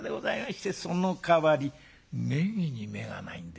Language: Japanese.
そのかわりネギに目がないんで。